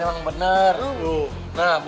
ternyata eh ternyata abah menggol kemana